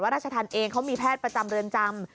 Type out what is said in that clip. ราชธรรมเองเขามีแพทย์ประจำเรือนจำ